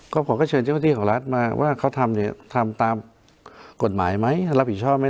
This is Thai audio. ครอบครัวก็เชิญเจ้าหน้าที่ของรัฐมาว่าเขาทำตามกฎหมายไหมรับผิดชอบไหม